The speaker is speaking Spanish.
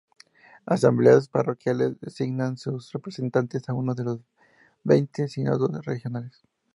Asambleas parroquiales designan sus representantes a uno de los veinte sínodos regionales.